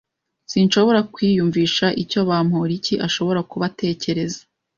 Sinshobora kwiyumvisha icyo Bamoriki ashobora kuba atekereza.